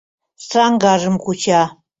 Саҥгажым куча.